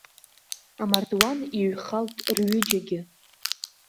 Амардуан иҩхалт рҩыџьагьы.